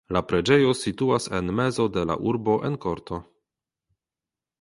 La preĝejo situas en mezo de la urbo en korto.